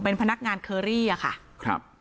เป็นพนักงานเคอรี่อะค่ะครับ